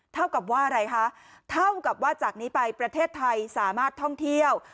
เท่ากับว่าอะไรคะเท่ากับว่าจากนี้ไปประเทศไทยสามารถท่องเที่ยว